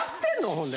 ほんで。